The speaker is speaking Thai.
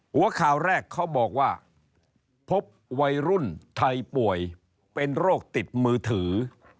หัวข่าวแรกเขาบอกว่าพบวัยรุ่นไทยป่วยเป็นโรคติดมือถือ